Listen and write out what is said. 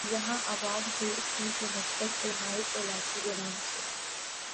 یہاں آباد ہوئی تھی کی نسبت سے مائی کولاچی کے نام سے